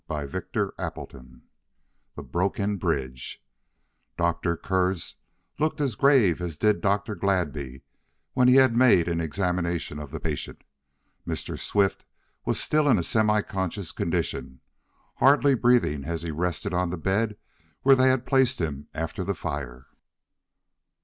Chapter Eighteen The Broken Bridge Dr. Kurtz looked as grave as did Dr. Gladby when he had made an examination of the patient. Mr. Swift was still in a semi conscious condition, hardly breathing as he rested on the bed where they had placed him after the fire.